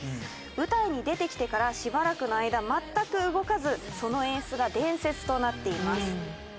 舞台に出てきてからしばらくの間全く動かずその演出が伝説となっています。